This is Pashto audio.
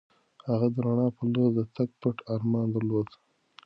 هغه د رڼا په لور د تګ پټ ارمان درلود.